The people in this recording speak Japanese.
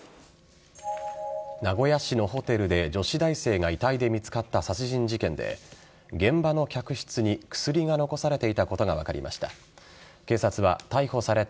名古屋市のホテルで女子大生が遺体で見つかった殺人事件で現場の客室に薬が残されていたことが分かりました。